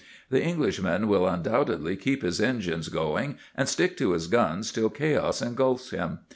The Englishman will undoubtedly keep his engines going and stick to his guns till chaos engulfs him.